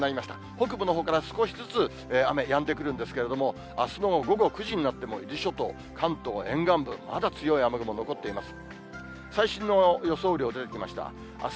北部のほうから少しずつ雨やんでくるんですけれども、あすの午後９時になっても、伊豆諸島、関東沿岸部、また強い雨雲残っています。